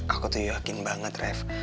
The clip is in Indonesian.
aku tuh yakin banget ref